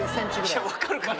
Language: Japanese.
いや分かるかな？